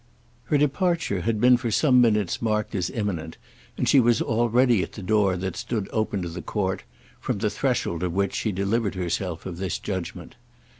Her departure had been for some minutes marked as imminent, and she was already at the door that stood open to the court, from the threshold of which she delivered herself of this judgement.